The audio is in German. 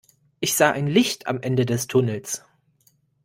Ich sah ein Licht am Ende des Tunnels.